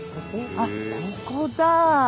あっここだ。